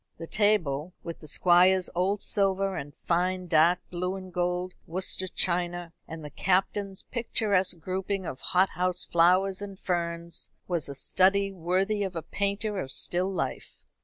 The table, with the Squire's old silver, and fine dark blue and gold Worcester china, and the Captain's picturesque grouping of hothouse flowers and ferns, was a study worthy of a painter of still life.